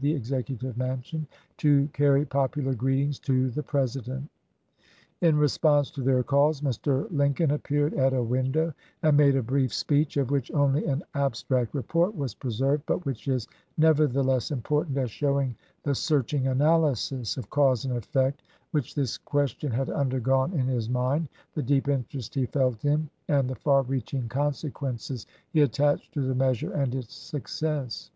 the Executive Mansion to carry popular greetings to the President. In response to their calls, Mr. Lincoln appeared at a window and made a brief speech, of which only an abstract report was pre served, but which is nevertheless important as showing the searching analysis of cause and effect which this question had undergone in his mind, the deep interest he felt in, and the far reaching consequences he attached to the measure and its success.